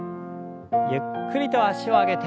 ゆっくりと脚を上げて。